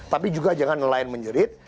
tapi juga jangan nelayan menjerit